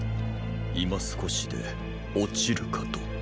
今少しで落ちるかと。